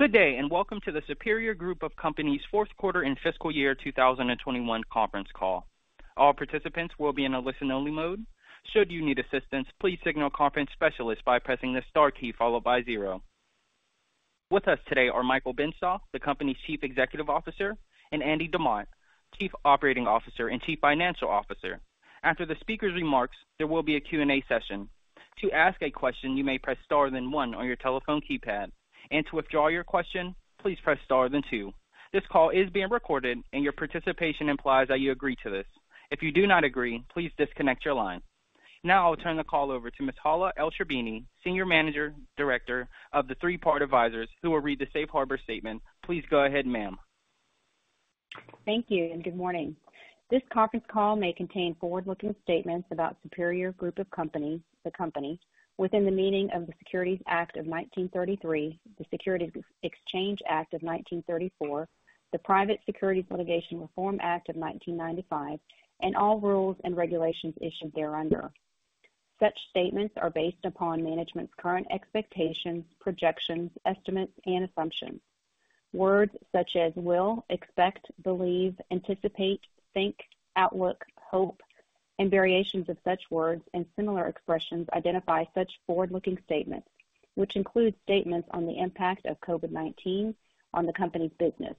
Good day, and welcome to the Superior Group of Companies Fourth Quarter and Fiscal Year 2021 Conference Call. All participants will be in a listen-only mode. Should you need assistance, please signal a conference specialist by pressing the star key followed by zero. With us today are Michael Benstock, the company's Chief Executive Officer, and Andrew D. Demott, Jr., Chief Operating Officer and Chief Financial Officer. After the speaker's remarks, there will be a Q&A session. To ask a question, you may press star then one on your telephone keypad. To withdraw your question, please press star then two. This call is being recorded and your participation implies that you agree to this. If you do not agree, please disconnect your line. Now I'll turn the call over to Ms. Hala Elsherbini, Senior Managing Director, Three Part Advisors, who will read the safe harbor statement. Please go ahead, ma'am. Thank you, and good morning. This conference call may contain forward-looking statements about Superior Group of Companies, the company, within the meaning of the Securities Act of 1933, the Securities Exchange Act of 1934, the Private Securities Litigation Reform Act of 1995, and all rules and regulations issued thereunder. Such statements are based upon management's current expectations, projections, estimates, and assumptions. Words such as will, expect, believe, anticipate, think, outlook, hope, and variations of such words and similar expressions identify such forward-looking statements, which include statements on the impact of COVID-19 on the company's business,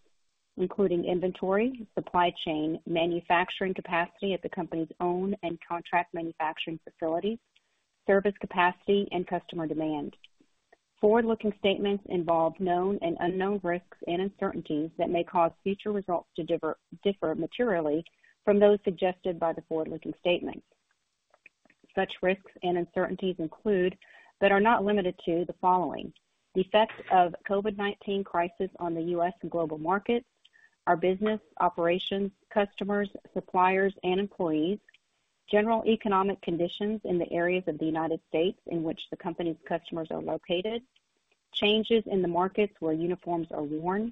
including inventory, supply chain, manufacturing capacity at the company's own and contract manufacturing facilities, service capacity, and customer demand. Forward-looking statements involve known and unknown risks and uncertainties that may cause future results to differ materially from those suggested by the forward-looking statements. Such risks and uncertainties include, but are not limited to, the following: the effects of COVID-19 crisis on the U.S. and global markets, our business operations, customers, suppliers, and employees, general economic conditions in the areas of the United States in which the company's customers are located, changes in the markets where uniforms are worn,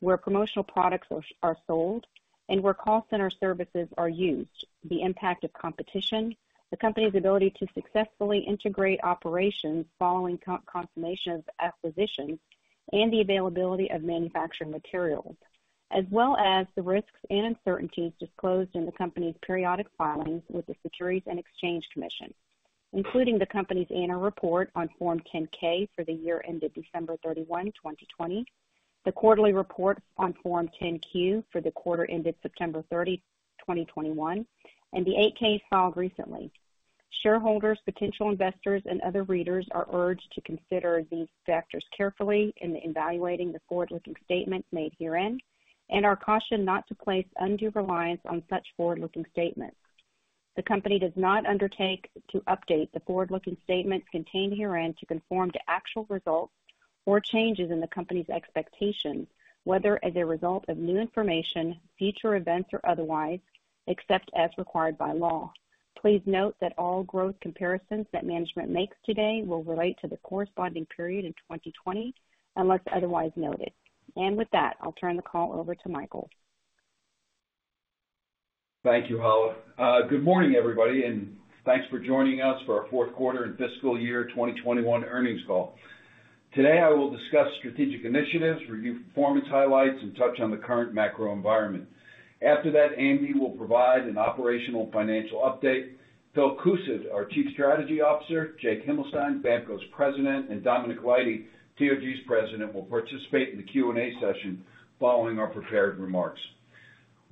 where promotional products are sold, and where call center services are used, the impact of competition, the company's ability to successfully integrate operations following consummation of acquisitions, and the availability of manufacturing materials, as well as the risks and uncertainties disclosed in the company's periodic filings with the Securities and Exchange Commission, including the company's annual report on Form 10-K for the year ended December 31, 2020, the quarterly report on Form 10-Q for the quarter ended September 30, 2021, and the 8-K filed recently. Shareholders, potential investors, and other readers are urged to consider these factors carefully in evaluating the forward-looking statements made herein and are cautioned not to place undue reliance on such forward-looking statements. The company does not undertake to update the forward-looking statements contained herein to conform to actual results or changes in the company's expectations, whether as a result of new information, future events, or otherwise, except as required by law. Please note that all growth comparisons that management makes today will relate to the corresponding period in 2020, unless otherwise noted. With that, I'll turn the call over to Michael. Thank you, Hala. Good morning, everybody, and thanks for joining us for our Fourth Quarter and Fiscal Year 2021 Earnings Call. Today, I will discuss strategic initiatives, review performance highlights, and touch on the current macro environment. After that, Andy will provide an operational financial update. Phil Koosed, our Chief Strategy Officer, Jake Himelstein, BAMKO's President, and Dominic Leide, TOG's President, will participate in the Q&A session following our prepared remarks.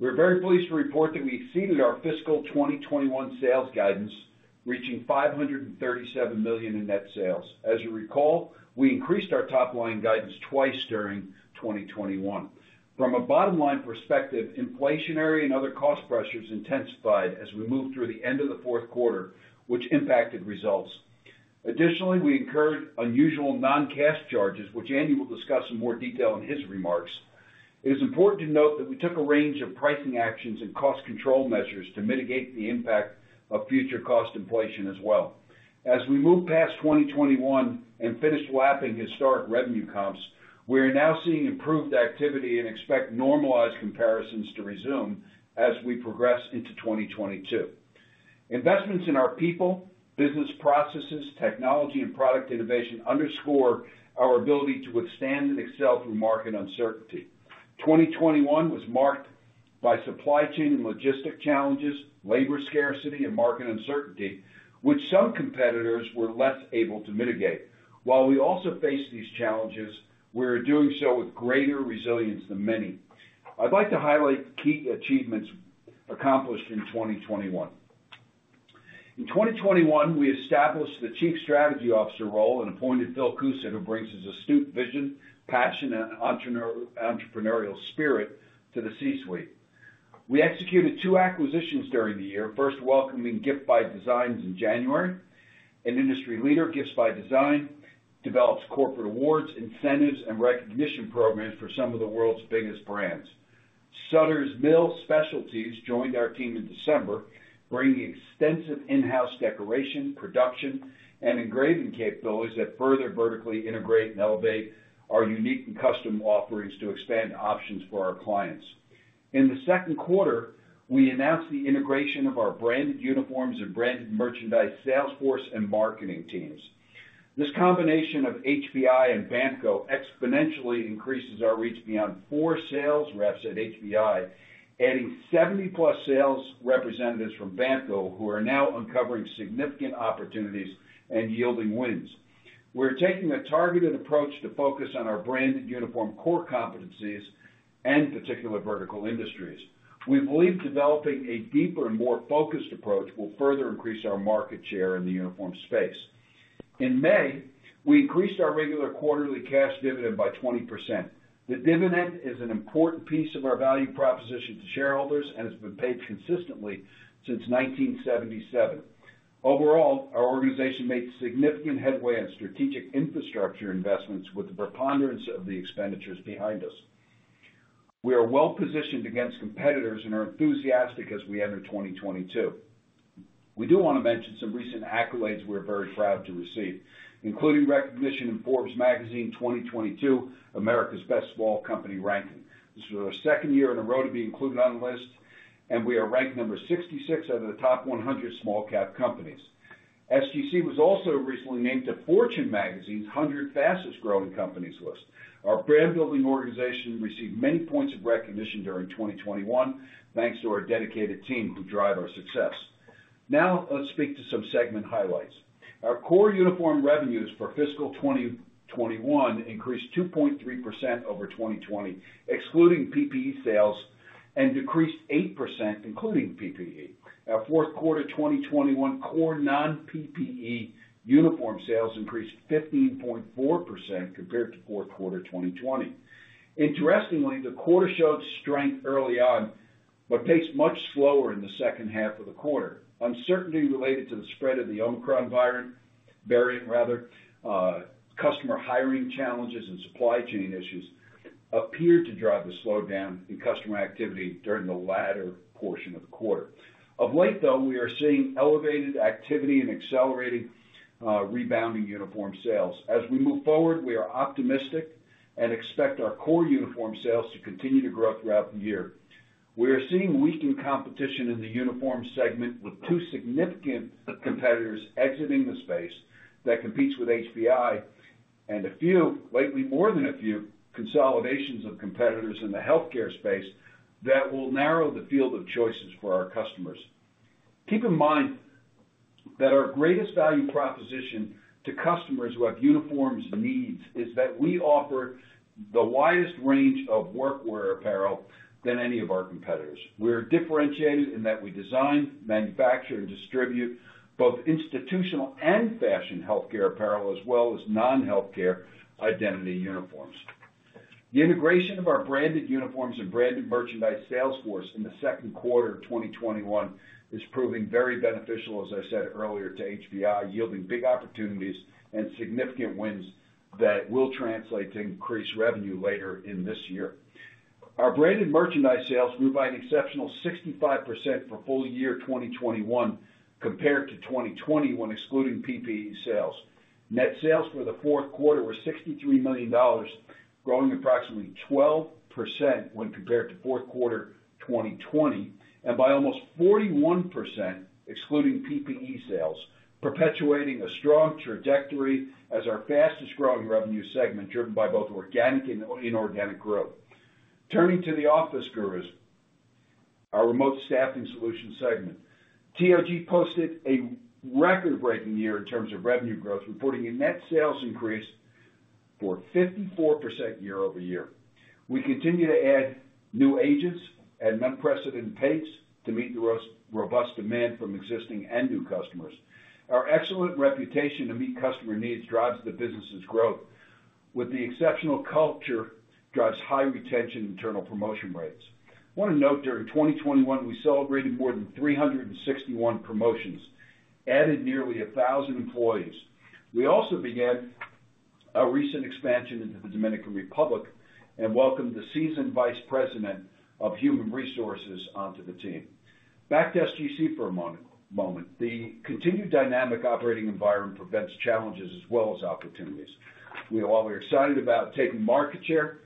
We're very pleased to report that we exceeded our fiscal 2021 sales guidance, reaching $537 million in net sales. As you recall, we increased our top-line guidance twice during 2021. From a bottom-line perspective, inflationary and other cost pressures intensified as we moved through the end of the fourth quarter, which impacted results. Additionally, we incurred unusual non-cash charges, which Andy will discuss in more detail in his remarks. It is important to note that we took a range of pricing actions and cost control measures to mitigate the impact of future cost inflation as well. As we move past 2021 and finish lapping historic revenue comps, we are now seeing improved activity and expect normalized comparisons to resume as we progress into 2022. Investments in our people, business processes, technology, and product innovation underscore our ability to withstand and excel through market uncertainty. 2021 was marked by supply chain and logistic challenges, labor scarcity, and market uncertainty, which some competitors were less able to mitigate. While we also face these challenges, we're doing so with greater resilience than many. I'd like to highlight key achievements accomplished in 2021. In 2021, we established the Chief Strategy Officer role and appointed Phil Koosed, who brings his astute vision, passion, and entrepreneurial spirit to the C-suite. We executed two acquisitions during the year, first welcoming Gifts By Design in January. An industry leader, Gifts By Design develops corporate awards, incentives, and recognition programs for some of the world's biggest brands. Sutter's Mill Specialties joined our team in December, bringing extensive in-house decoration, production, and engraving capabilities that further vertically integrate and elevate our unique and custom offerings to expand options for our clients. In the second quarter, we announced the integration of our branded uniforms and branded merchandise sales force and marketing teams. This combination of HPI and BAMKO exponentially increases our reach beyond 4 sales reps at HPI, adding 70+ sales representatives from BAMKO who are now uncovering significant opportunities and yielding wins. We're taking a targeted approach to focus on our branded uniform core competencies and particular vertical industries. We believe developing a deeper and more focused approach will further increase our market share in the uniform space. In May, we increased our regular quarterly cash dividend by 20%. The dividend is an important piece of our value proposition to shareholders and has been paid consistently since 1977. Overall, our organization made significant headway on strategic infrastructure investments, with the preponderance of the expenditures behind us. We are well positioned against competitors and are enthusiastic as we enter 2022. We do wanna mention some recent accolades we're very proud to receive, including recognition in Forbes Magazine 2022 America's Best Small Companies ranking. This is our second year in a row to be included on the list, and we are ranked number 66 out of the top 100 small-cap companies. SGC was also recently named to Fortune's 100 Fastest-Growing Companies list. Our brand building organization received many points of recognition during 2021, thanks to our dedicated team who drive our success. Now, let's speak to some segment highlights. Our core uniform revenues for fiscal 2021 increased 2.3% over 2020, excluding PPE sales, and decreased 8% including PPE. Our fourth quarter 2021 core non-PPE uniform sales increased 15.4% compared to fourth quarter 2020. Interestingly, the quarter showed strength early on, but paced much slower in the second half of the quarter. Uncertainty related to the spread of the Omicron variant, customer hiring challenges, and supply chain issues appeared to drive the slowdown in customer activity during the latter portion of the quarter. Of late, though, we are seeing elevated activity and accelerating rebounding uniform sales. As we move forward, we are optimistic and expect our core uniform sales to continue to grow throughout the year. We are seeing weakened competition in the uniform segment, with two significant competitors exiting the space that competes with HPI and a few, lately, more than a few, consolidations of competitors in the healthcare space that will narrow the field of choices for our customers. Keep in mind that our greatest value proposition to customers who have uniforms needs is that we offer the widest range of work wear apparel than any of our competitors. We're differentiated in that we design, manufacture, and distribute both institutional and fashion healthcare apparel, as well as non-healthcare identity uniforms. The integration of our branded uniforms and branded merchandise sales force in the second quarter of 2021 is proving very beneficial, as I said earlier, to HPI, yielding big opportunities and significant wins that will translate to increased revenue later in this year. Our branded merchandise sales grew by an exceptional 65% for full year 2021 compared to 2020, excluding PPE sales. Net sales for the fourth quarter were $63 million, growing approximately 12% when compared to fourth quarter 2020, and by almost 41% excluding PPE sales, perpetuating a strong trajectory as our fastest growing revenue segment, driven by both organic and inorganic growth. Turning to The Office Gurus, our remote staffing solution segment. TOG posted a record-breaking year in terms of revenue growth, reporting a net sales increase of 54% year-over-year. We continue to add new agents at an unprecedented pace to meet the robust demand from existing and new customers. Our excellent reputation to meet customer needs drives the business's growth, with the exceptional culture drives high retention internal promotion rates. Want to note, during 2021, we celebrated more than 361 promotions, added nearly 1,000 employees. We also began a recent expansion into the Dominican Republic and welcomed a seasoned vice president of human resources onto the team. Back to SGC for a moment. The continued dynamic operating environment presents challenges as well as opportunities. While we're excited about taking market share,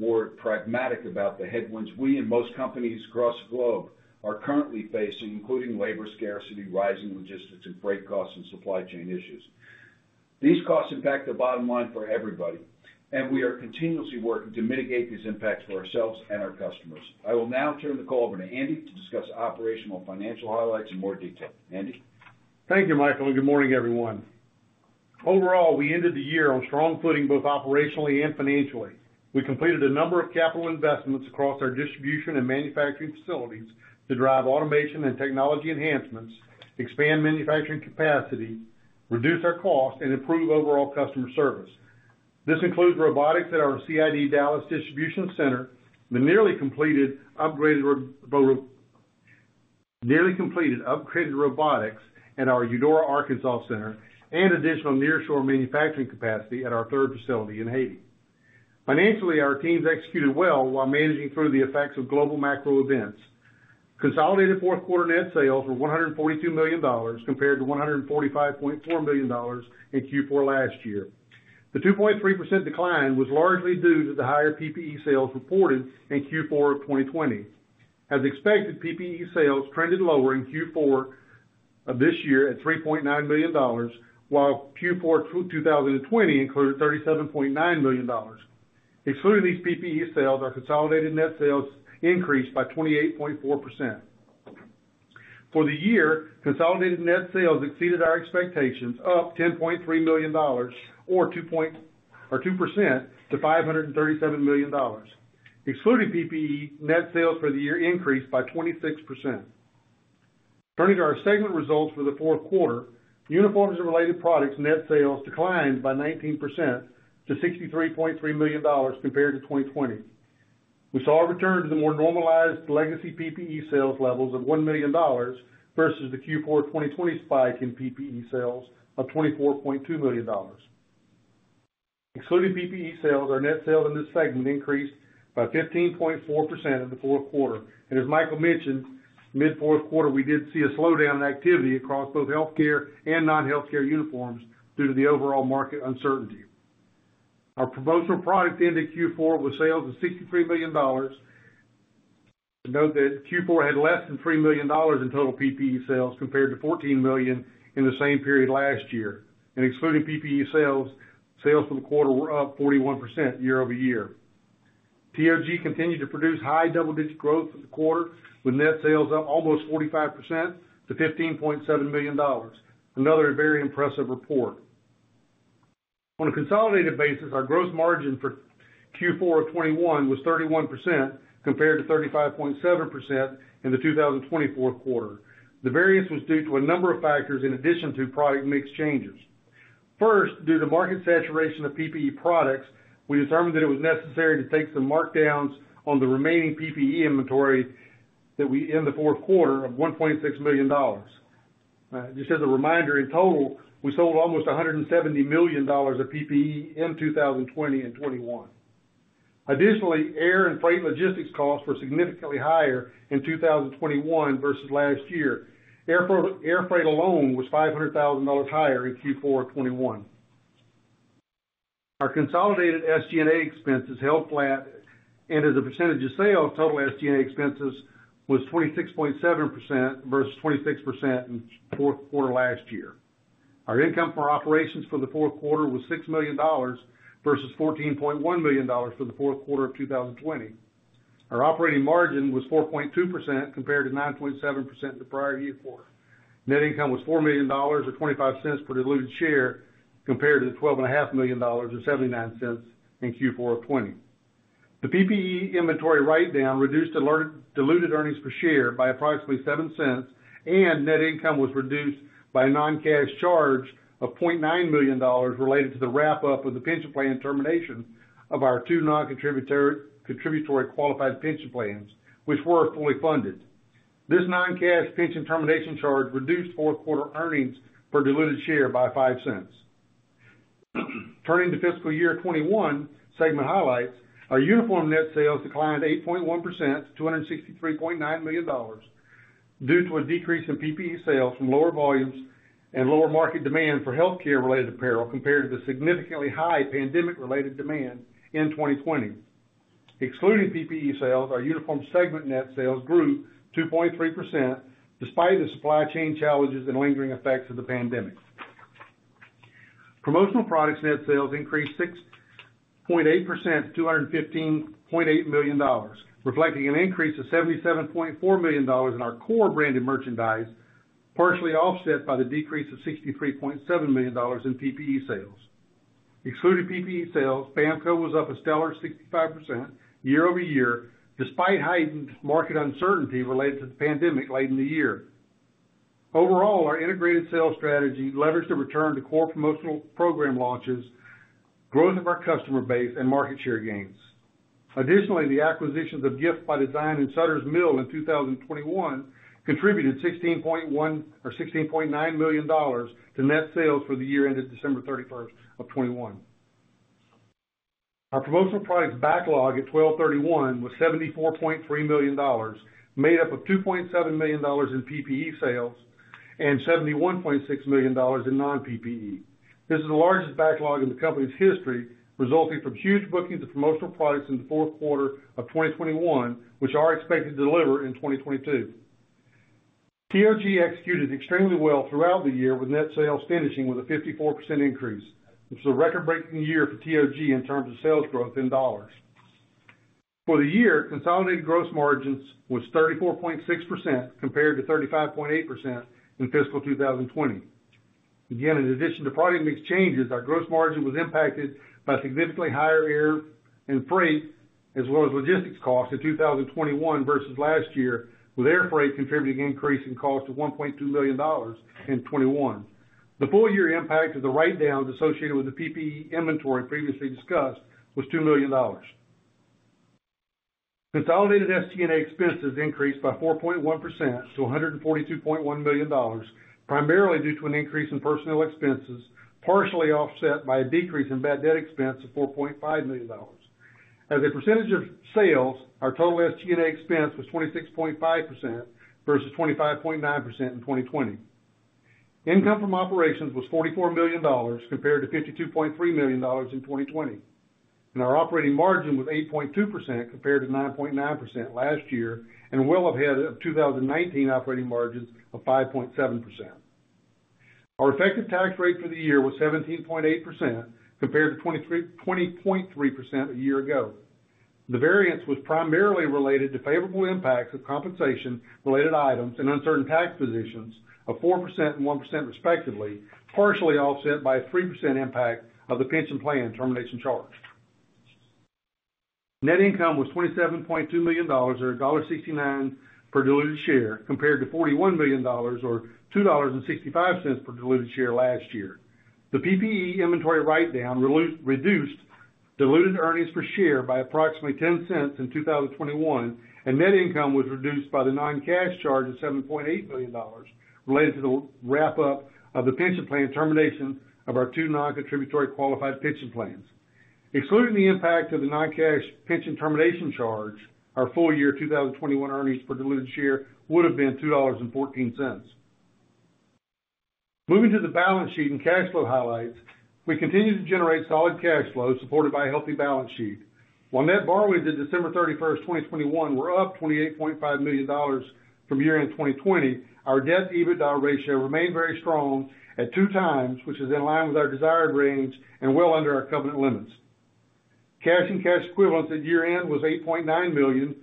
we're more pragmatic about the headwinds we and most companies across the globe are currently facing, including labor scarcity, rising logistics and freight costs, and supply chain issues. These costs impact the bottom line for everybody, and we are continuously working to mitigate these impacts for ourselves and our customers. I will now turn the call over to Andy to discuss operational financial highlights in more detail. Andy? Thank you, Michael, and good morning, everyone. Overall, we ended the year on strong footing, both operationally and financially. We completed a number of capital investments across our distribution and manufacturing facilities to drive automation and technology enhancements, expand manufacturing capacity, reduce our costs, and improve overall customer service. This includes robotics at our CID Dallas distribution center, the nearly completed upgraded robotics at our Eudora, Arkansas center, and additional nearshore manufacturing capacity at our third facility in Haiti. Financially, our teams executed well while managing through the effects of global macro events. Consolidated fourth quarter net sales were $142 million compared to $145.4 million in Q4 last year. The 2.3% decline was largely due to the higher PPE sales reported in Q4 of 2020. As expected, PPE sales trended lower in Q4 of this year at $3.9 million, while Q4 2020 included $37.9 million. Excluding these PPE sales, our consolidated net sales increased by 28.4%. For the year, consolidated net sales exceeded our expectations, up $10.3 million or 2% to $537 million. Excluding PPE, net sales for the year increased by 26%. Turning to our segment results for the fourth quarter, uniforms and related products net sales declined by 19% to $63.3 million compared to 2020. We saw a return to the more normalized legacy PPE sales levels of $1 million versus the Q4 2020 spike in PPE sales of $24.2 million. Excluding PPE sales, our net sales in this segment increased by 15.4% in the fourth quarter. As Michael mentioned, mid fourth quarter, we did see a slowdown in activity across both healthcare and non-healthcare uniforms due to the overall market uncertainty. Our promotional products in Q4 was sales of $63 million. Note that Q4 had less than $3 million in total PPE sales compared to $14 million in the same period last year. Excluding PPE sales for the quarter were up 41% year-over-year. TOG continued to produce high double-digit growth for the quarter, with net sales up almost 45% to $15.7 million. Another very impressive report. On a consolidated basis, our gross margin for Q4 of 2021 was 31% compared to 35.7% in the 2020 fourth quarter. The variance was due to a number of factors in addition to product mix changes. First, due to market saturation of PPE products, we determined that it was necessary to take some markdowns on the remaining PPE inventory in the fourth quarter of $1.6 million. Just as a reminder, in total, we sold almost $170 million of PPE in 2020 and 2021. Additionally, air and freight logistics costs were significantly higher in 2021 versus last year. Air freight alone was $500,000 higher in Q4 of 2021. Our consolidated SG&A expenses held flat, and as a percentage of sales, total SG&A expenses was 26.7% versus 26% in fourth quarter last year. Our income for operations for the fourth quarter was $6 million versus $14.1 million for the fourth quarter of 2020. Our operating margin was 4.2% compared to 9.7% the prior year quarter. Net income was $4 million or $0.25 per diluted share compared to the $12.5 million or $0.79 in Q4 of 2020. The PPE inventory write-down reduced diluted earnings per share by approximately $0.07, and net income was reduced by a non-cash charge of $0.9 million related to the wrap up of the pension plan termination of our two contributory qualified pension plans, which were fully funded. This non-cash pension termination charge reduced fourth quarter earnings per diluted share by $0.05. Turning to fiscal year 2021 segment highlights, our Uniform net sales declined 8.1% to $263.9 million due to a decrease in PPE sales from lower volumes and lower market demand for healthcare-related apparel compared to the significantly high pandemic-related demand in 2020. Excluding PPE sales, our Uniform segment net sales grew 2.3% despite the supply chain challenges and lingering effects of the pandemic. Promotional Products net sales increased 6.8% to $215.8 million, reflecting an increase of $77.4 million in our core branded merchandise, partially offset by the decrease of $63.7 million in PPE sales. Excluding PPE sales, BAMKO was up a stellar 65% year-over-year, despite heightened market uncertainty related to the pandemic late in the year. Overall, our integrated sales strategy leveraged a return to core promotional program launches, growth of our customer base and market share gains. Additionally, the acquisitions of Gifts By Design and Sutter's Mill in 2021 contributed $16.1 million or $16.9 million to net sales for the year ended December 31, 2021. Our promotional products backlog at 12/31 was $74.3 million, made up of $2.7 million in PPE sales and $71.6 million in non-PPE. This is the largest backlog in the company's history, resulting from huge bookings of promotional products in the fourth quarter of 2021, which are expected to deliver in 2022. TOG executed extremely well throughout the year, with net sales finishing with a 54% increase, which is a record-breaking year for TOG in terms of sales growth in dollars. For the year, consolidated gross margins was 34.6% compared to 35.8% in fiscal 2020. Again, in addition to product mix changes, our gross margin was impacted by significantly higher air and freight as well as logistics costs in 2021 versus last year, with air freight contributing increase in cost of $1.2 million in 2021. The full year impact of the write-downs associated with the PPE inventory previously discussed was $2 million. Consolidated SG&A expenses increased by 4.1% to $142.1 million, primarily due to an increase in personnel expenses, partially offset by a decrease in bad debt expense of $4.5 million. As a percentage of sales, our total SG&A expense was 26.5% versus 25.9% in 2020. Income from operations was $44 million compared to $52.3 million in 2020. Our operating margin was 8.2% compared to 9.9% last year, and well ahead of 2019 operating margins of 5.7%. Our effective tax rate for the year was 17.8% compared to 20.3% a year ago. The variance was primarily related to favorable impacts of compensation related items and uncertain tax positions of 4% and 1% respectively, partially offset by a 3% impact of the pension plan termination charge. Net income was $27.2 million or $0.69 per diluted share, compared to $41 million or $2.65 per diluted share last year. The PPE inventory write-down reduced diluted earnings per share by approximately 10 cents in 2021, and net income was reduced by the non-cash charge of $7.8 million related to the wrap-up of the pension plan termination of our two non-contributory qualified pension plans. Excluding the impact of the non-cash pension termination charge, our full year 2021 earnings per diluted share would have been $2.14. Moving to the balance sheet and cash flow highlights, we continue to generate solid cash flow supported by a healthy balance sheet. While net borrowings at December 31, 2021 were up $28.5 million from year-end 2020, our debt-to-EBITDA ratio remained very strong at 2x, which is in line with our desired range and well under our covenant limits. Cash and cash equivalents at year-end was $8.9 million,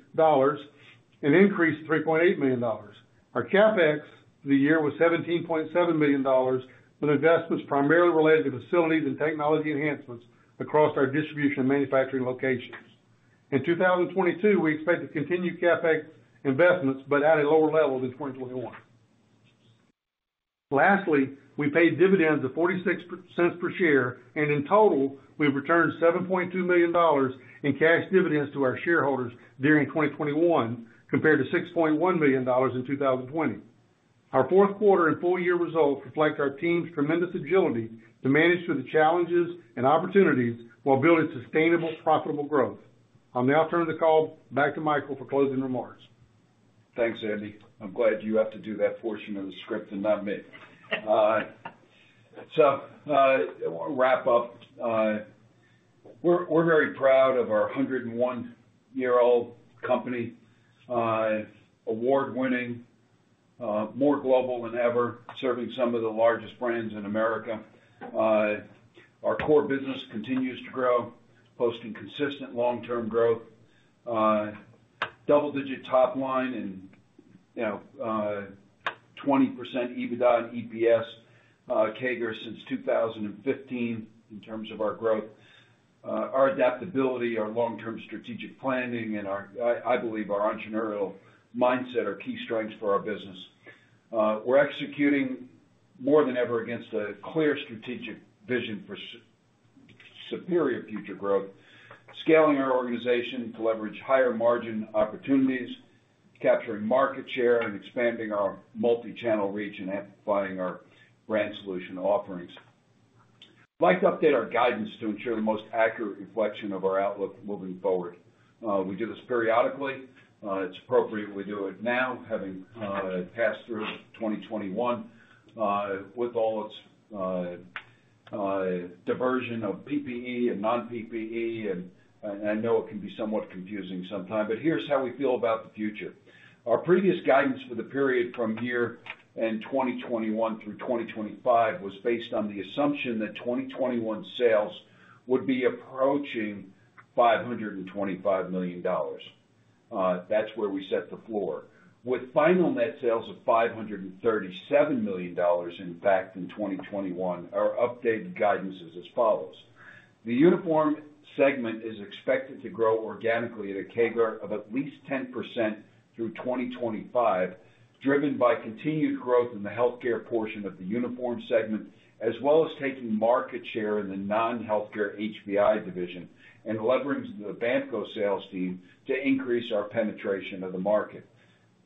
an increase of $3.8 million. Our CapEx for the year was $17.7 million, with investments primarily related to facilities and technology enhancements across our distribution and manufacturing locations. In 2022, we expect to continue CapEx investments, but at a lower level than 2021. Lastly, we paid dividends of $0.46 per share, and in total, we've returned $7.2 million in cash dividends to our shareholders during 2021 compared to $6.1 million in 2020. Our fourth quarter and full year results reflect our team's tremendous agility to manage through the challenges and opportunities while building sustainable, profitable growth. I'll now turn the call back to Michael for closing remarks. Thanks, Andy. I'm glad you have to do that portion of the script and not me. So, I wanna wrap up. We're very proud of our 101-year-old company, award-winning, more global than ever, serving some of the largest brands in America. Our core business continues to grow, posting consistent long-term growth, double-digit top line and, you know, 20% EBITDA and EPS CAGR since 2015 in terms of our growth. Our adaptability, our long-term strategic planning and our, I believe, our entrepreneurial mindset are key strengths for our business. We're executing more than ever against a clear strategic vision for Superior future growth, scaling our organization to leverage higher margin opportunities, capturing market share and expanding our multi-channel reach and amplifying our brand solution offerings. I'd like to update our guidance to ensure the most accurate reflection of our outlook moving forward. We do this periodically. It's appropriate we do it now, having passed through 2021, with all its diversion of PPE and non-PPE, and I know it can be somewhat confusing sometimes, but here's how we feel about the future. Our previous guidance for the period from year-end 2021 through 2025 was based on the assumption that 2021 sales would be approaching $525 million. That's where we set the floor. With final net sales of $537 million, in fact, in 2021, our updated guidance is as follows: The uniform segment is expected to grow organically at a CAGR of at least 10% through 2025, driven by continued growth in the healthcare portion of the uniform segment, as well as taking market share in the non-healthcare HPI division and leveraging the BAMKO sales team to increase our penetration of the market.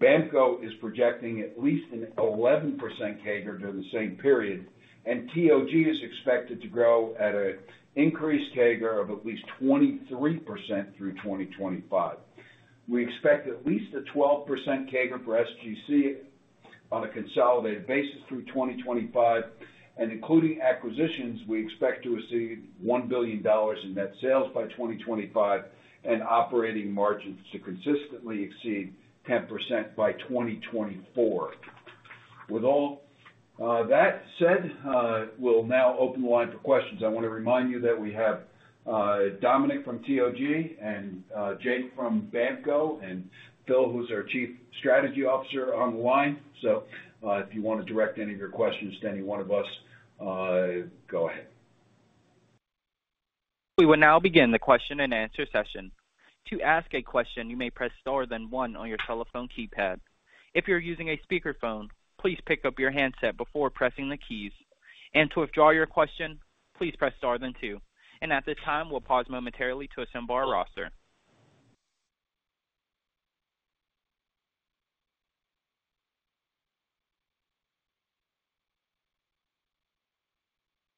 BAMKO is projecting at least an 11% CAGR during the same period, and TOG is expected to grow at an increased CAGR of at least 23% through 2025. We expect at least a 12% CAGR for SGC on a consolidated basis through 2025. Including acquisitions, we expect to exceed $1 billion in net sales by 2025 and operating margins to consistently exceed 10% by 2024. With all that said, we'll now open the line for questions. I wanna remind you that we have Dominic from TOG and Jake from BAMKO and Phil, who's our Chief Strategy Officer on the line. If you wanna direct any of your questions to any one of us, go ahead. We will now begin the question-and-answer session. To ask a question, you may press star then one on your telephone keypad. If you're using a speakerphone, please pick up your handset before pressing the keys. To withdraw your question, please press star then two. At this time, we'll pause momentarily to assemble our roster.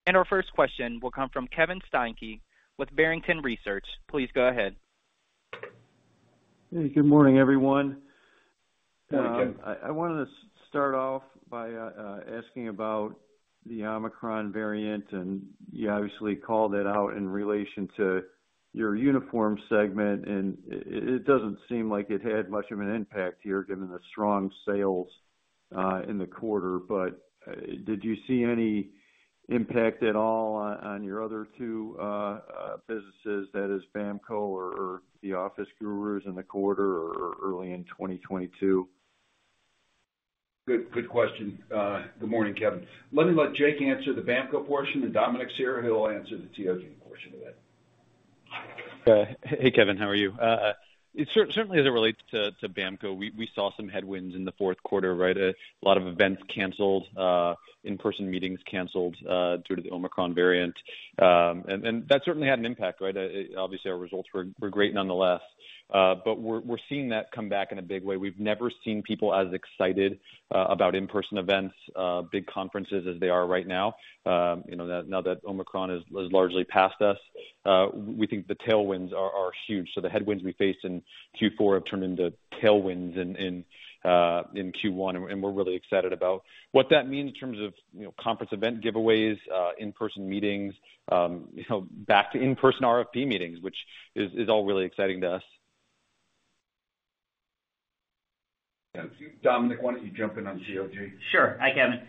Our first question will come from Kevin Steinke with Barrington Research. Please go ahead. Hey, good morning, everyone. Good morning, Kevin. I wanted to start off by asking about the Omicron variant, and you obviously called it out in relation to your uniform segment, and it doesn't seem like it had much of an impact here, given the strong sales in the quarter. Did you see any impact at all on your other two businesses, that is BAMKO or The Office Gurus in the quarter or early in 2022? Good, good question. Good morning, Kevin. Let Jake answer the BAMKO portion, and Dominic's here, he'll answer the TOG portion of it. Hey, Kevin. How are you? Certainly as it relates to BAMKO, we saw some headwinds in the fourth quarter, right? A lot of events canceled, in-person meetings canceled, due to the Omicron variant. That certainly had an impact, right? Obviously our results were great nonetheless. We're seeing that come back in a big way. We've never seen people as excited about in-person events, big conferences as they are right now, you know, now that Omicron is largely past us. We think the tailwinds are huge. The headwinds we faced in Q4 have turned into tailwinds in Q1, and we're really excited about what that means in terms of, you know, conference event giveaways, in-person meetings, you know, back to in-person RFP meetings, which is all really exciting to us. Dominic, why don't you jump in on TOG? Sure. Hi, Kevin.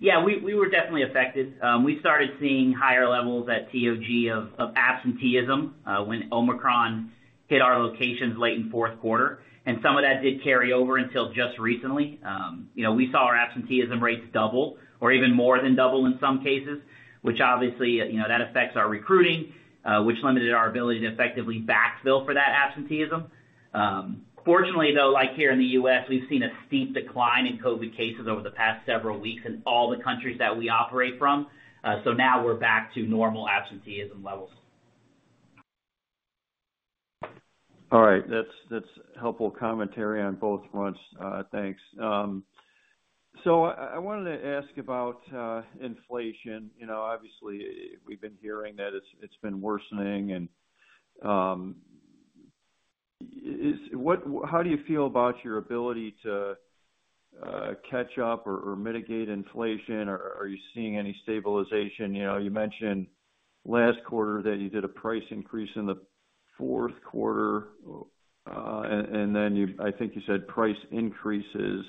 Yeah, we were definitely affected. We started seeing higher levels at TOG of absenteeism when Omicron hit our locations late in fourth quarter, and some of that did carry over until just recently. You know, we saw our absenteeism rates double or even more than double in some cases, which obviously, you know, that affects our recruiting, which limited our ability to effectively backfill for that absenteeism. Fortunately, though, like here in the U.S., we've seen a steep decline in COVID cases over the past several weeks in all the countries that we operate from. So now we're back to normal absenteeism levels. All right. That's helpful commentary on both fronts. Thanks. So I wanted to ask about inflation. You know, obviously we've been hearing that it's been worsening and how do you feel about your ability to catch up or mitigate inflation? Or are you seeing any stabilization? You know, you mentioned last quarter that you did a price increase in the fourth quarter, and then I think you said price increases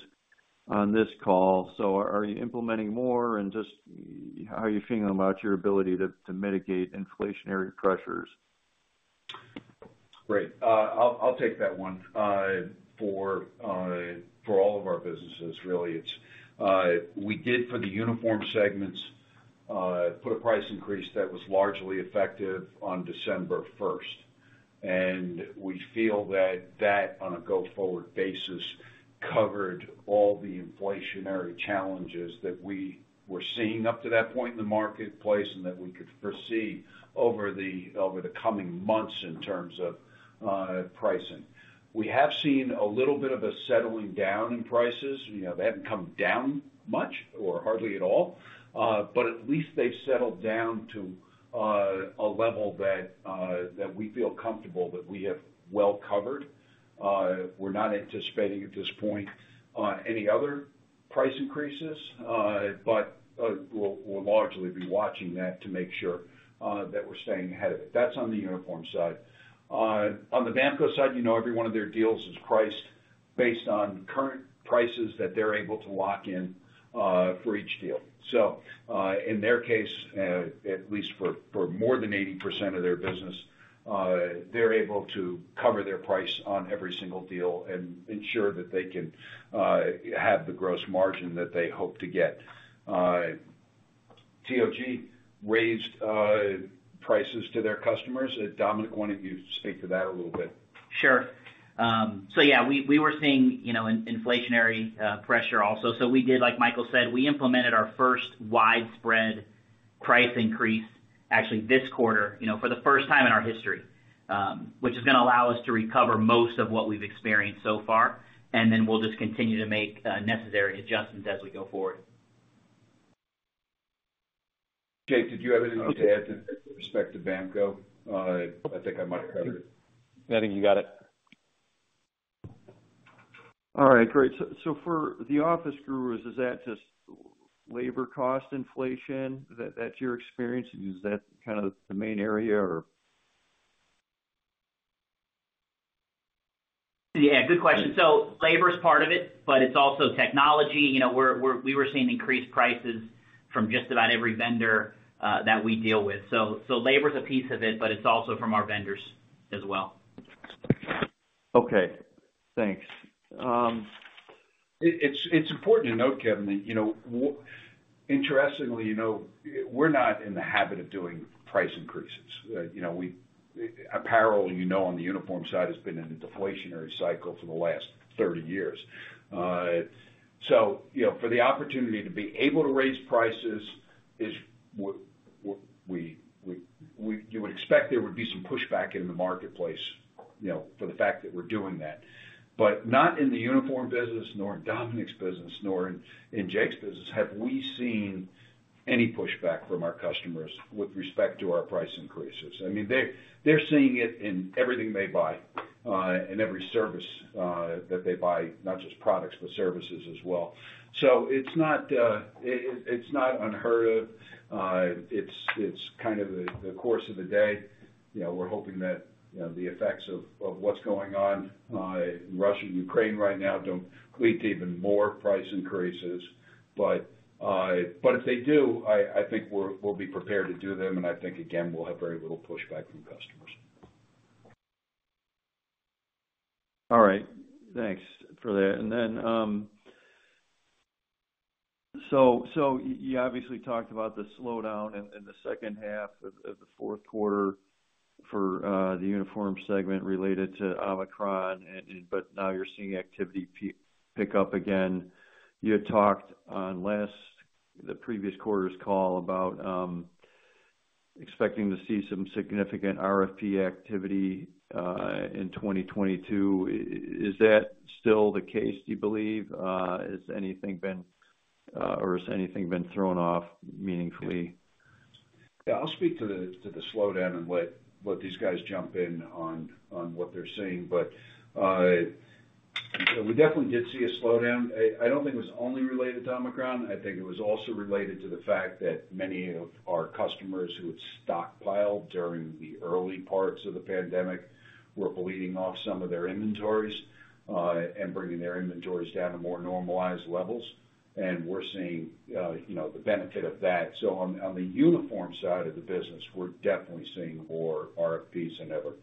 on this call. So are you implementing more? Just how are you feeling about your ability to mitigate inflationary pressures? Great. I'll take that one for all of our businesses, really. We did, for the uniform segments, put a price increase that was largely effective on December first, and we feel that on a go-forward basis covered all the inflationary challenges that we were seeing up to that point in the marketplace and that we could foresee over the coming months in terms of pricing. We have seen a little bit of a settling down in prices. You know, they haven't come down much or hardly at all, but at least they've settled down to a level that we feel comfortable that we have well covered. We're not anticipating at this point any other price increases, but we'll largely be watching that to make sure that we're staying ahead of it. That's on the uniform side. On the BAMKO side, you know, every one of their deals is priced based on current prices that they're able to lock in for each deal. So, in their case, at least for more than 80% of their business, they're able to cover their price on every single deal and ensure that they can have the gross margin that they hope to get. TOG raised prices to their customers. Dominic, why don't you speak to that a little bit? Sure. Yeah, we were seeing, you know, inflationary pressure also. We did, like Michael said, we implemented our first widespread price increase actually this quarter, you know, for the first time in our history, which is gonna allow us to recover most of what we've experienced so far, and then we'll just continue to make necessary adjustments as we go forward. Jake, did you have anything to add with respect to BAMKO? I think I might have covered it. I think you got it. All right, great. For The Office Gurus, is that just labor cost inflation? That's your experience? Is that kind of the main area or? Yeah, good question. Labor is part of it, but it's also technology. You know, we were seeing increased prices from just about every vendor that we deal with. Labor is a piece of it, but it's also from our vendors as well. Okay, thanks. It's important to note, Kevin, that, you know, interestingly, you know, we're not in the habit of doing price increases. You know, apparel, you know, on the uniform side, has been in a deflationary cycle for the last 30 years. You know, for the opportunity to be able to raise prices, you would expect there would be some pushback in the marketplace. You know, for the fact that we're doing that. Not in the uniform business, nor in Dominic's business, nor in Jake's business, have we seen any pushback from our customers with respect to our price increases. I mean, they're seeing it in everything they buy, in every service that they buy, not just products, but services as well. It's not unheard of. It's kind of the course of the day. You know, we're hoping that, you know, the effects of what's going on in Russia and Ukraine right now don't lead to even more price increases. If they do, I think we'll be prepared to do them, and I think, again, we'll have very little pushback from customers. All right. Thanks for that. So you obviously talked about the slowdown in the second half of the fourth quarter for the uniform segment related to Omicron, but now you're seeing activity pick up again. You had talked on the previous quarter's call about expecting to see some significant RFP activity in 2022. Is that still the case, do you believe? Has anything been thrown off meaningfully? Yeah. I'll speak to the slowdown and let these guys jump in on what they're seeing. We definitely did see a slowdown. I don't think it was only related to Omicron. I think it was also related to the fact that many of our customers who had stockpiled during the early parts of the pandemic were bleeding off some of their inventories and bringing their inventories down to more normalized levels. We're seeing you know, the benefit of that. On the uniform side of the business, we're definitely seeing more RFPs than ever.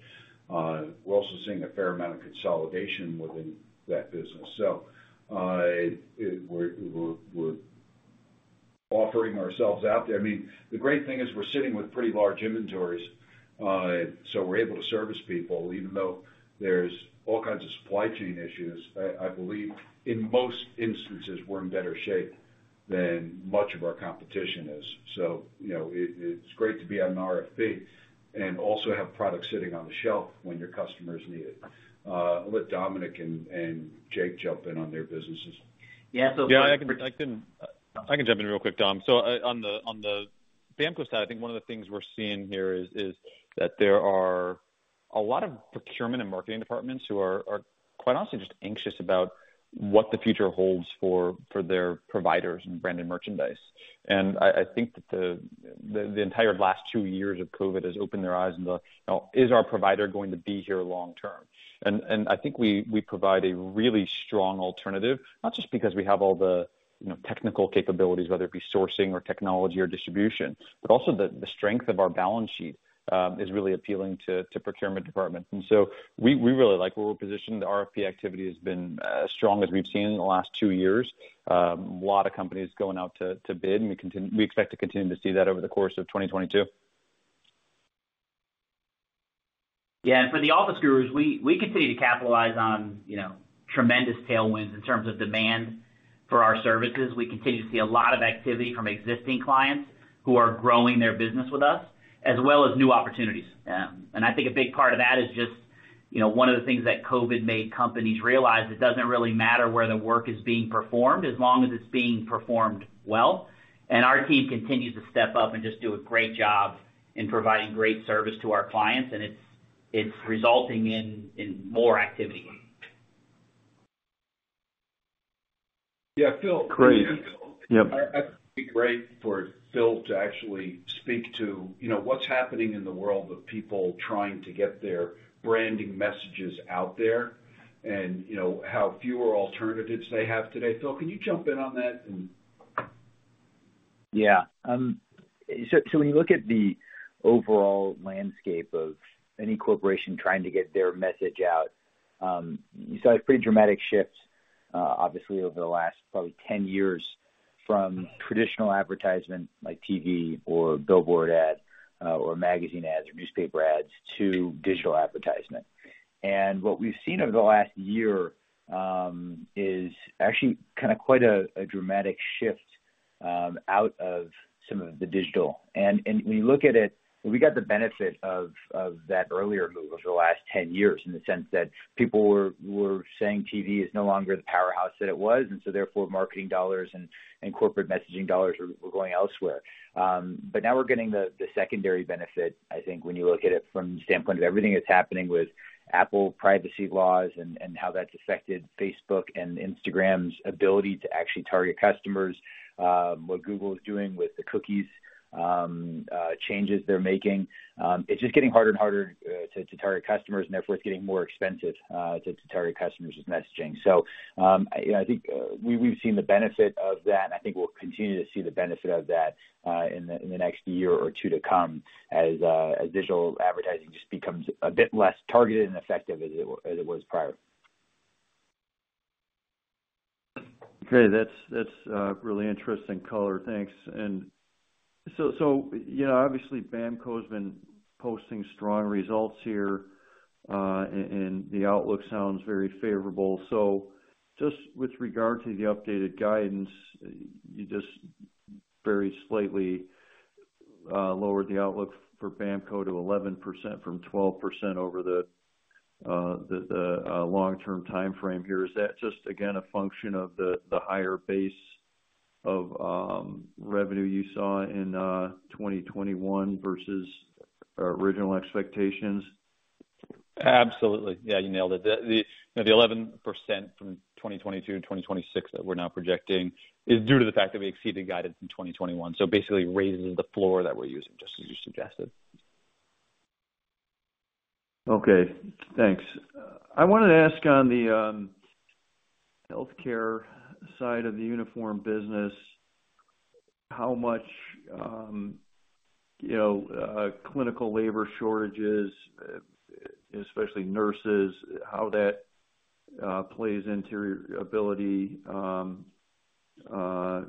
We're also seeing a fair amount of consolidation within that business. We're offering ourselves out there. I mean, the great thing is we're sitting with pretty large inventories, so we're able to service people even though there's all kinds of supply chain issues. I believe in most instances, we're in better shape than much of our competition is. You know, it's great to be on an RFP and also have product sitting on the shelf when your customers need it. I'll let Dominic and Jake jump in on their businesses. Yeah. Yeah, I can jump in real quick, Dom. On the BAMKO side, I think one of the things we're seeing here is that there are a lot of procurement and marketing departments who are, quite honestly, just anxious about what the future holds for their providers and branded merchandise. I think that the entire last two years of COVID has opened their eyes into, you know, is our provider going to be here long term? I think we provide a really strong alternative, not just because we have all the, you know, technical capabilities, whether it be sourcing or technology or distribution, but also the strength of our balance sheet is really appealing to procurement departments. We really like where we're positioned. The RFP activity has been as strong as we've seen in the last two years. A lot of companies going out to bid, and we expect to continue to see that over the course of 2022. Yeah. For The Office Gurus, we continue to capitalize on, you know, tremendous tailwinds in terms of demand for our services. We continue to see a lot of activity from existing clients who are growing their business with us, as well as new opportunities. I think a big part of that is just, you know, one of the things that COVID made companies realize, it doesn't really matter where the work is being performed as long as it's being performed well. Our team continues to step up and just do a great job in providing great service to our clients, and it's resulting in more activity. Yeah. Phil Great. Yep. I think it'd be great for Phil to actually speak to, you know, what's happening in the world of people trying to get their branding messages out there and, you know, how fewer alternatives they have today. Phil, can you jump in on that and. So when you look at the overall landscape of any corporation trying to get their message out, you saw a pretty dramatic shift, obviously over the last probably 10 years from traditional advertisement like TV or billboard ad, or magazine ads or newspaper ads to digital advertisement. What we've seen over the last year is actually kind of quite a dramatic shift out of some of the digital. When you look at it, we got the benefit of that earlier move over the last 10 years in the sense that people were saying TV is no longer the powerhouse that it was, and so therefore, marketing dollars and corporate messaging dollars were going elsewhere. Now we're getting the secondary benefit, I think, when you look at it from the standpoint of everything that's happening with Apple privacy laws and how that's affected Facebook and Instagram's ability to actually target customers, what Google is doing with the cookie changes they're making. It's just getting harder and harder to target customers, and therefore it's getting more expensive to target customers with messaging. You know, I think, we've seen the benefit of that, and I think we'll continue to see the benefit of that in the next year or two to come as digital advertising just becomes a bit less targeted and effective as it was prior. Okay. That's really interesting color. Thanks. You know, obviously BAMKO's been posting strong results here, and the outlook sounds very favorable. Just with regard to the updated guidance, you very slightly lowered the outlook for BAMKO to 11% from 12% over the long-term timeframe here. Is that just again a function of the higher base of revenue you saw in 2021 versus original expectations? Absolutely. Yeah, you nailed it. You know, the 11% from 2022 to 2026 that we're now projecting is due to the fact that we exceeded guidance in 2021. Basically raising the floor that we're using, just as you suggested. Okay, thanks. I wanted to ask on the healthcare side of the uniform business, how much, you know, clinical labor shortages, especially nurses, how that plays into your ability to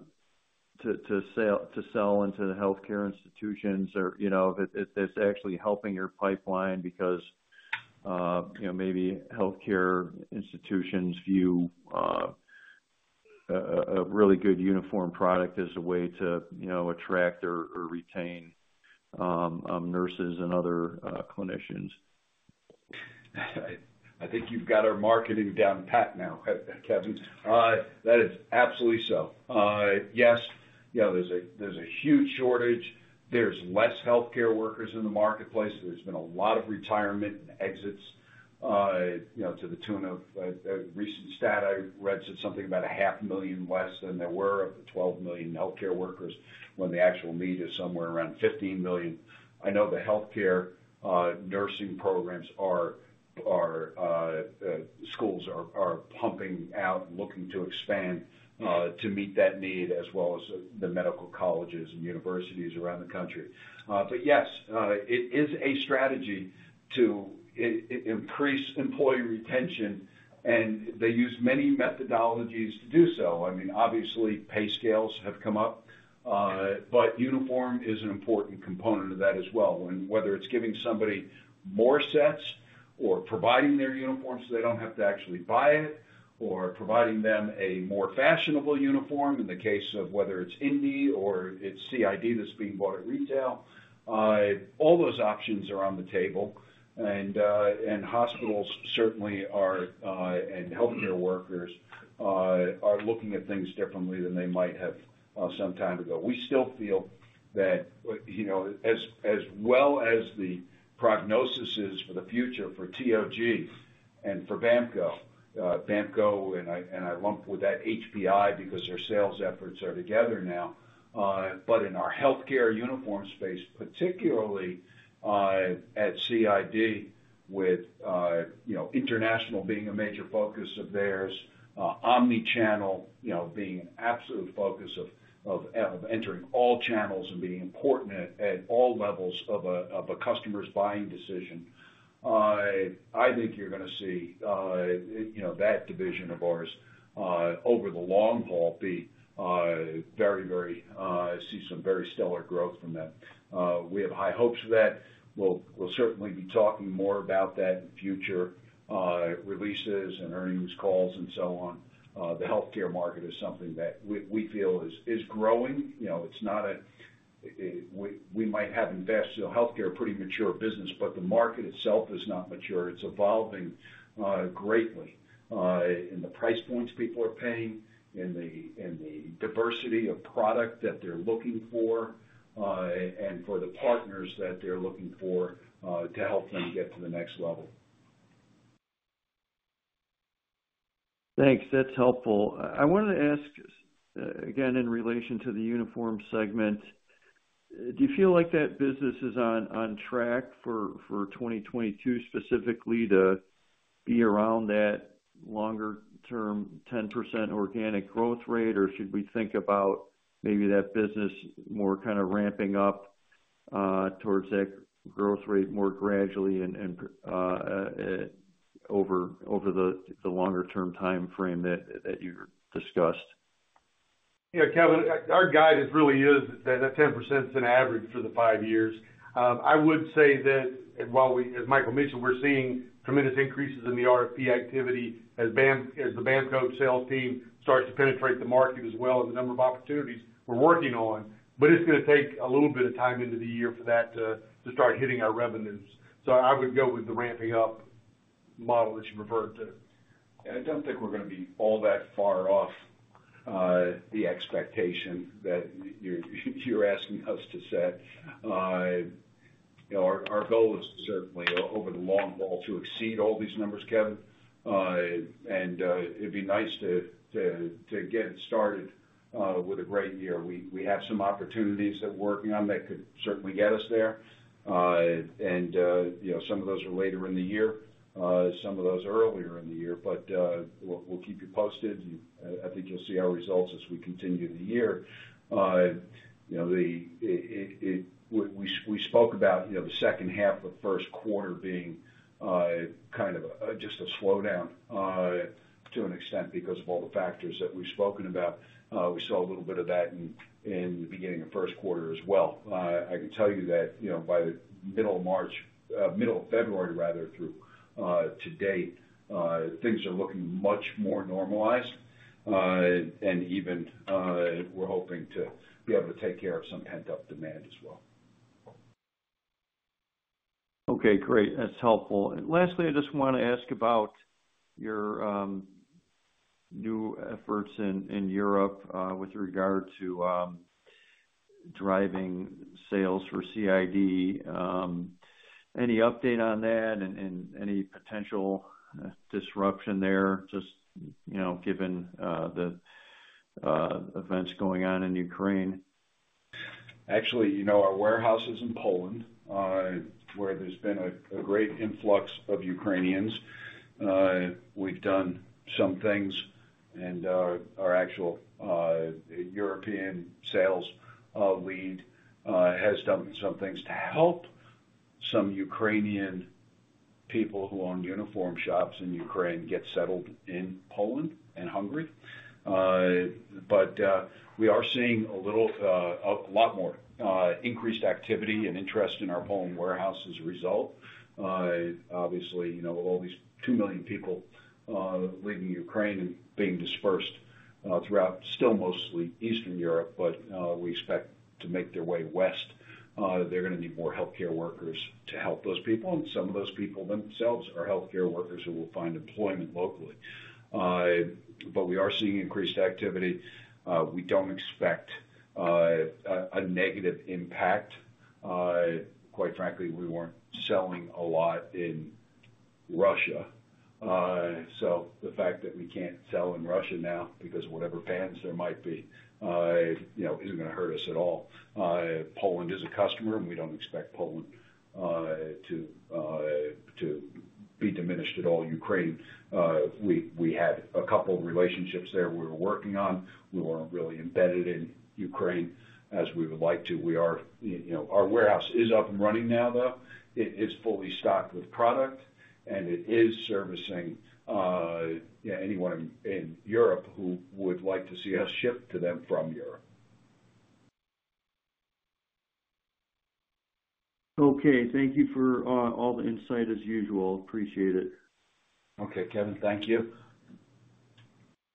sell into the healthcare institutions or, you know, if it's actually helping your pipeline because, you know, maybe healthcare institutions view a really good uniform product as a way to, you know, attract or retain nurses and other clinicians. I think you've got our marketing down pat now, Kevin. That is absolutely so. Yes, you know, there's a huge shortage. There's less healthcare workers in the marketplace. There's been a lot of retirement and exits, you know, to the tune of a recent stat I read said something about 0.5 million less than there were of the 12 million healthcare workers when the actual need is somewhere around 15 million. I know the healthcare nursing programs schools are pumping out and looking to expand to meet that need as well as the medical colleges and universities around the country. But yes, it is a strategy to increase employee retention, and they use many methodologies to do so. I mean, obviously, pay scales have come up, but uniform is an important component of that as well. Whether it's giving somebody more sets or providing their uniforms, so they don't have to actually buy it, or providing them a more fashionable uniform in the case of whether it's INDY or it's CID that's being bought at retail. All those options are on the table. Hospitals certainly are, and healthcare workers are looking at things differently than they might have some time ago. We still feel that, you know, as well as the prognosis is for the future for TOG and for BAMKO. BAMKO, and I lump with that HPI because their sales efforts are together now. In our healthcare uniform space, particularly at CID with, you know, international being a major focus of theirs, omni-channel, you know, being an absolute focus of entering all channels and being important at all levels of a customer's buying decision. I think you're gonna see, you know, that division of ours over the long haul see some very stellar growth from that. We have high hopes for that. We'll certainly be talking more about that in future releases and earnings calls and so on. The healthcare market is something that we feel is growing. You know, we might have invested in healthcare, a pretty mature business, but the market itself is not mature. It's evolving greatly in the price points people are paying, in the diversity of product that they're looking for, and for the partners that they're looking for to help them get to the next level. Thanks. That's helpful. I wanted to ask, again, in relation to the uniform segment, do you feel like that business is on track for 2022 specifically to be around that longer term 10% organic growth rate? Or should we think about maybe that business more kinda ramping up towards that growth rate more gradually and over the longer term timeframe that you discussed? Yeah, Kevin, our guide is really that 10% is an average for the five years. I would say that while, as Michael mentioned, we're seeing tremendous increases in the RFP activity as the BAMKO sales team starts to penetrate the market as well as the number of opportunities we're working on. It's gonna take a little bit of time into the year for that to start hitting our revenues. I would go with the ramping up model that you referred to. I don't think we're gonna be all that far off the expectation that you're asking us to set. You know, our goal is certainly over the long haul to exceed all these numbers, Kevin. It'd be nice to get started with a great year. We have some opportunities that we're working on that could certainly get us there. You know, some of those are later in the year, some of those are earlier in the year. We'll keep you posted. I think you'll see our results as we continue the year. You know, we spoke about the second half of first quarter being kind of just a slowdown to an extent because of all the factors that we've spoken about. We saw a little bit of that in the beginning of first quarter as well. I can tell you that, you know, by the middle of March, middle of February rather through to date, things are looking much more normalized. Even, we're hoping to be able to take care of some pent-up demand as well. Okay, great. That's helpful. Lastly, I just wanna ask about your new efforts in Europe with regard to driving sales for CID. Any update on that and any potential disruption there just, you know, given the events going on in Ukraine? Actually, you know, our warehouse is in Poland, where there's been a great influx of Ukrainians. We've done some things and our actual European sales lead has done some things to help some Ukrainian people who own uniform shops in Ukraine get settled in Poland and Hungary. We are seeing a lot more increased activity and interest in our Poland warehouse as a result. Obviously, you know, all these 2 million people leaving Ukraine and being dispersed throughout still mostly Eastern Europe, but we expect them to make their way west. They're gonna need more healthcare workers to help those people, and some of those people themselves are healthcare workers who will find employment locally. We are seeing increased activity. We don't expect a negative impact. Quite frankly, we weren't selling a lot in Russia. The fact that we can't sell in Russia now because whatever bans there might be, you know, isn't gonna hurt us at all. Poland is a customer, and we don't expect Poland to be diminished at all. Ukraine, we had a couple relationships there we were working on. We weren't really embedded in Ukraine as we would like to. You know, our warehouse is up and running now, though. It's fully stocked with product, and it is servicing anyone in Europe who would like to see us ship to them from Europe. Okay. Thank you for all the insight as usual. Appreciate it. Okay. Kevin, thank you.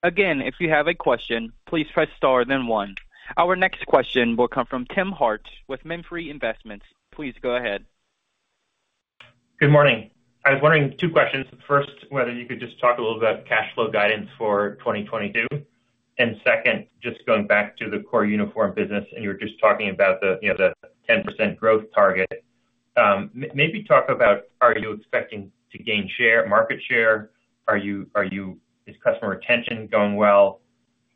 Again, if you have a question, please press star then one. Our next question will come from Tim Hartch with Memphre Investments. Please go ahead. Good morning. I was wondering two questions. First, whether you could just talk a little about cash flow guidance for 2022. Second, just going back to the core uniform business, and you were just talking about the, you know, the 10% growth target. Maybe talk about are you expecting to gain share, market share? Is customer retention going well?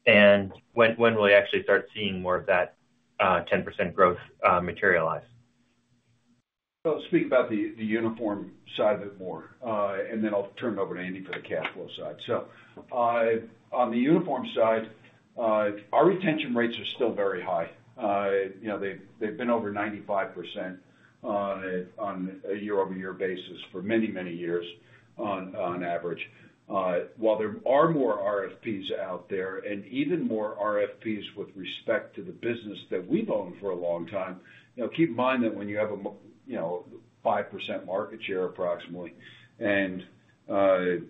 And when will we actually start seeing more of that 10% growth materialize? I'll speak about the uniform side a bit more, and then I'll turn it over to Andy for the cash flow side. On the uniform side, our retention rates are still very high. You know, they've been over 95% on a year-over-year basis for many years on average. While there are more RFPs out there and even more RFPs with respect to the business that we've owned for a long time, you know, keep in mind that when you have 5% market share approximately and 95%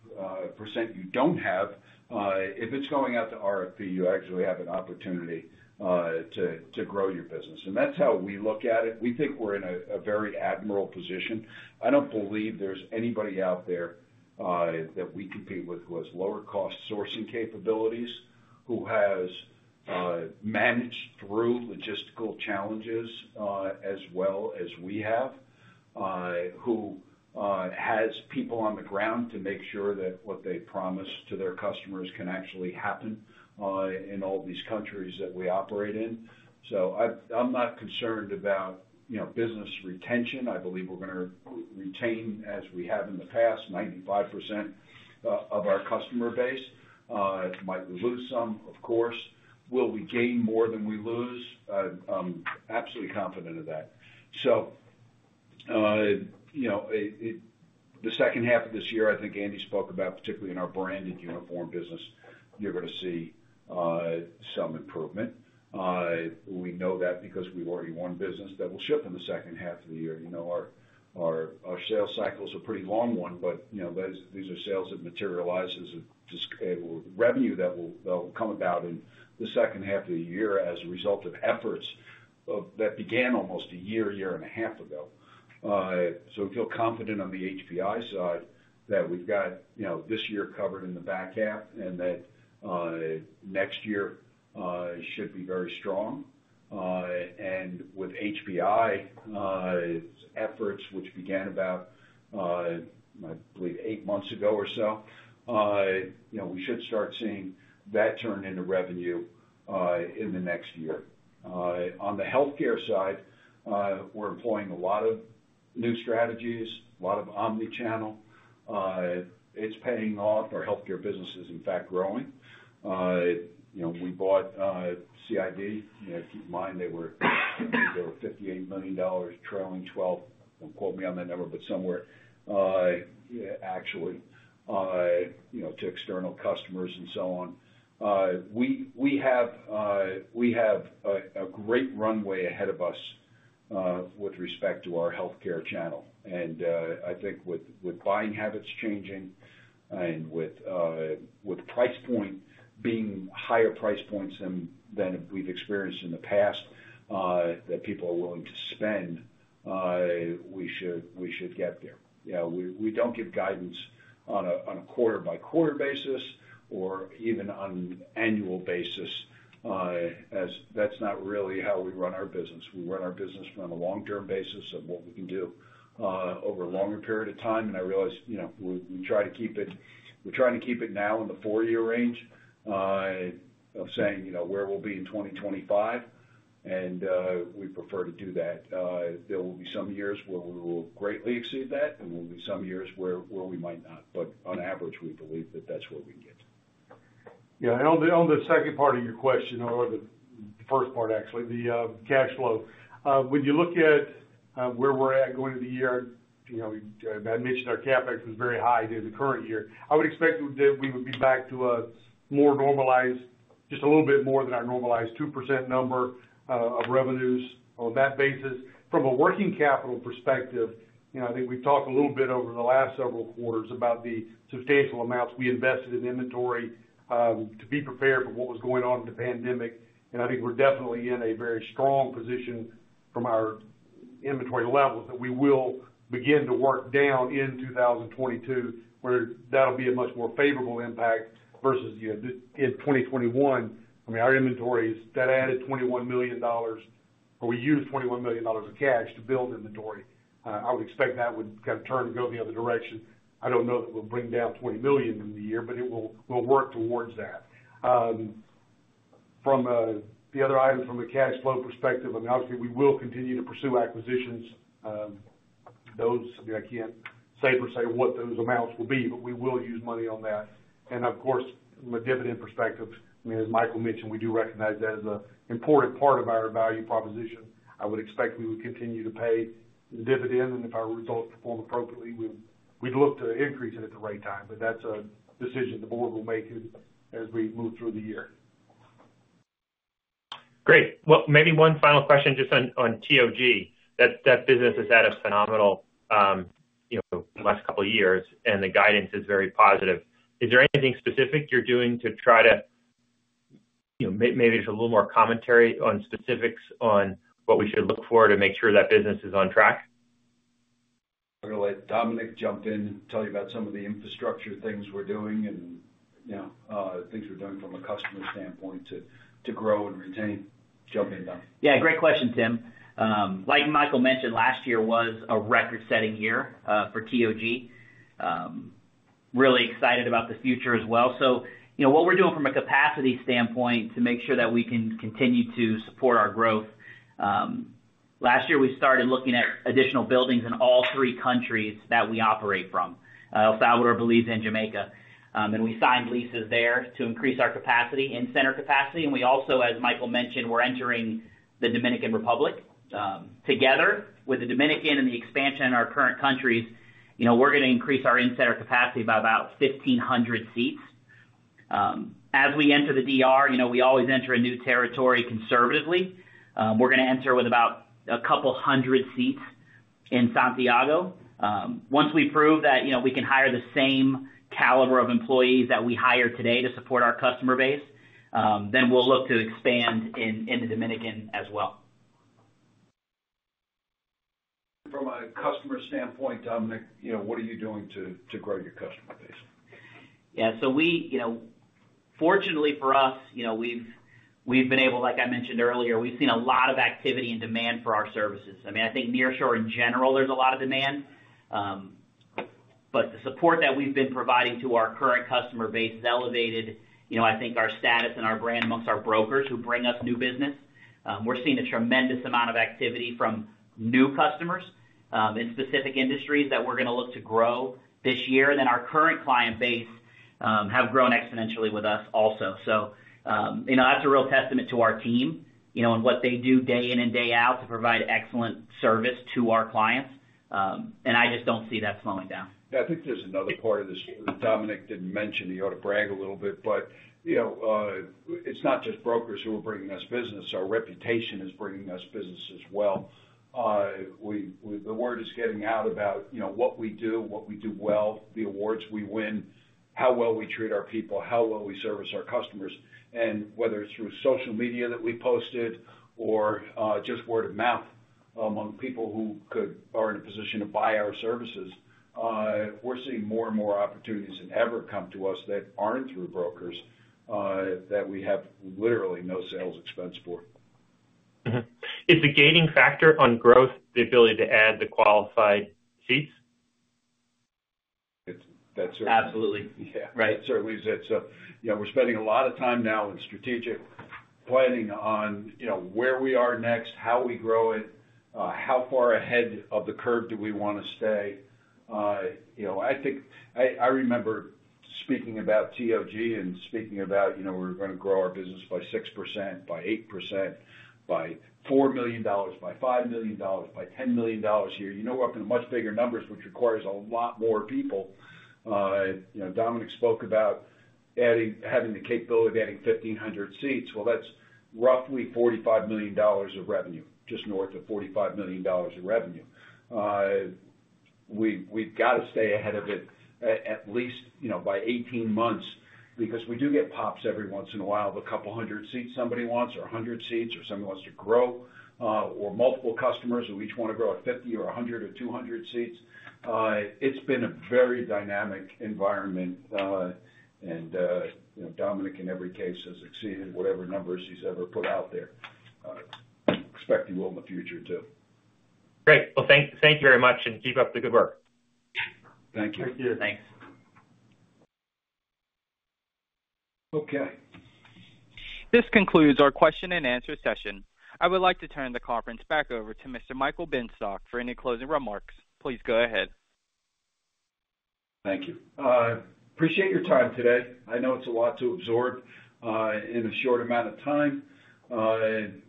you don't have, if it's going out to RFP, you actually have an opportunity to grow your business. That's how we look at it. We think we're in a very admirable position. I don't believe there's anybody out there that we compete with who has lower cost sourcing capabilities, who has managed through logistical challenges as well as we have, who has people on the ground to make sure that what they promise to their customers can actually happen in all these countries that we operate in. I'm not concerned about, you know, business retention. I believe we're gonna retain as we have in the past 95% of our customer base. We might lose some, of course. Will we gain more than we lose? I'm absolutely confident of that. You know, the second half of this year, I think Andy spoke about, particularly in our branded uniform business, you're gonna see some improvement. We know that because we've already won business that will ship in the second half of the year. You know, our sales cycle's a pretty long one, but you know, these are sales that materialize as revenue that will come about in the second half of the year as a result of efforts that began almost a year and a half ago. We feel confident on the HPI side that we've got you know, this year covered in the back half and that next year should be very strong. With HPI, its efforts, which began about I believe eight months ago or so, you know, we should start seeing that turn into revenue in the next year. On the healthcare side, we're employing a lot of new strategies, a lot of omni-channel. It's paying off. Our healthcare business is in fact growing. You know, we bought CID. You know, keep in mind they were $58 million trailing twelve. Don't quote me on that number, but somewhere, actually, you know, to external customers and so on. We have a great runway ahead of us with respect to our healthcare channel. I think with buying habits changing and with price point being higher price points than we've experienced in the past, that people are willing to spend, we should get there. Yeah, we don't give guidance on a quarter-by-quarter basis or even on annual basis, as that's not really how we run our business. We run our business from a long-term basis of what we can do over a longer period of time. I realize, you know, we're trying to keep it now in the four-year range of saying, you know, where we'll be in 2025, and we prefer to do that. There will be some years where we will greatly exceed that, and there will be some years where we might not. On average, we believe that that's what we can get. On the second part of your question or the first part actually, the cash flow. When you look at where we're at going into the year, you know, I mentioned our CapEx was very high during the current year. I would expect that we would be back to a more normalized, just a little bit more than our normalized 2% number of revenues on that basis. From a working capital perspective, you know, I think we've talked a little bit over the last several quarters about the substantial amounts we invested in inventory to be prepared for what was going on in the pandemic. I think we're definitely in a very strong position from our inventory levels that we will begin to work down in 2022, where that'll be a much more favorable impact versus, you know, in 2021. I mean, our inventory is that added $21 million, or we used $21 million of cash to build inventory. I would expect that would kind of turn and go the other direction. I don't know if it will bring down $20 million in the year, but it will. We'll work towards that. From the other item from a cash flow perspective, I mean, obviously, we will continue to pursue acquisitions. Those, I mean, I can't say for sure what those amounts will be, but we will use money on that. Of course, from a dividend perspective, I mean, as Michael mentioned, we do recognize that as an important part of our value proposition. I would expect we would continue to pay the dividend, and if our results perform appropriately, we'd look to increase it at the right time. That's a decision the board will make as we move through the year. Great. Well, maybe one final question just on TOG. That business has had a phenomenal, you know, last couple of years, and the guidance is very positive. Is there anything specific you're doing to try to, you know, maybe just a little more commentary on specifics on what we should look for to make sure that business is on track? I'm gonna let Dominic jump in and tell you about some of the infrastructure things we're doing and, you know, things we're doing from a customer standpoint to grow and retain. Jump in, Dom. Yeah, great question, Tim. Like Michael mentioned, last year was a record-setting year for TOG. Really excited about the future as well. You know, what we're doing from a capacity standpoint to make sure that we can continue to support our growth, last year, we started looking at additional buildings in all three countries that we operate from, El Salvador, Belize, and Jamaica. We signed leases there to increase our capacity, in-center capacity. We also, as Michael mentioned, we're entering the Dominican Republic. Together with the Dominican and the expansion in our current countries, you know, we're gonna increase our in-center capacity by about 1,500 seats. As we enter the DR, you know, we always enter a new territory conservatively. We're gonna enter with about a couple hundred seats in Santiago. Once we prove that, you know, we can hire the same caliber of employees that we hire today to support our customer base, then we'll look to expand in the Dominican as well. From a customer standpoint, Dominic, you know, what are you doing to grow your customer base? You know, fortunately for us, you know, we've been able, like I mentioned earlier, we've seen a lot of activity and demand for our services. I mean, I think nearshore in general, there's a lot of demand. The support that we've been providing to our current customer base has elevated, you know, I think our status and our brand amongst our brokers who bring us new business. We're seeing a tremendous amount of activity from new customers in specific industries that we're gonna look to grow this year. Our current client base have grown exponentially with us also. You know, that's a real testament to our team, you know, and what they do day in and day out to provide excellent service to our clients. I just don't see that slowing down. Yeah. I think there's another part of this that Dominic didn't mention. He ought to brag a little bit, but, you know, it's not just brokers who are bringing us business. Our reputation is bringing us business as well. The word is getting out about, you know, what we do, what we do well, the awards we win, how well we treat our people, how well we service our customers, and whether it's through social media that we posted or just word of mouth among people who are in a position to buy our services, we're seeing more and more opportunities than ever come to us that aren't through brokers that we have literally no sales expense for. Is the gating factor on growth the ability to add the qualified seats? That's it. Absolutely. Yeah. Right. Certainly is it. You know, we're spending a lot of time now in strategic planning on, you know, where we are next, how we grow it, how far ahead of the curve do we wanna stay. You know, I think I remember speaking about TOG and speaking about, you know, we're gonna grow our business by 6%, by 8%, by $4 million, by $5 million, by $10 million a year. You know, we're up in much bigger numbers, which requires a lot more people. You know, Dominic spoke about having the capability of adding 1,500 seats. Well, that's roughly $45 million of revenue, just north of $45 million of revenue. We've got to stay ahead of it at least, you know, by 18 months because we do get pops every once in a while of a couple hundred seats somebody wants or 100 seats or somebody wants to grow, or multiple customers who each wanna grow at 50 or 100 or 200 seats. It's been a very dynamic environment. You know, Dominic, in every case, has exceeded whatever numbers he's ever put out there. I expect he will in the future, too. Great. Well, thank you very much, and keep up the good work. Thank you. Thank you. Thanks. Okay. This concludes our question-and-answer session. I would like to turn the conference back over to Mr. Michael Benstock for any closing remarks. Please go ahead. Thank you. Appreciate your time today. I know it's a lot to absorb in a short amount of time.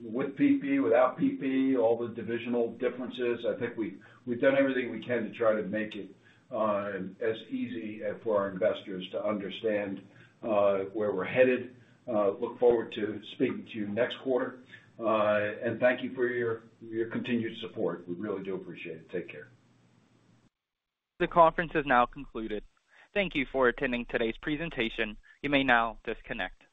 With PP, without PP, all the divisional differences, I think we've done everything we can to try to make it as easy for our investors to understand where we're headed. Look forward to speaking to you next quarter. Thank you for your continued support. We really do appreciate it. Take care. The conference has now concluded. Thank you for attending today's presentation. You may now disconnect.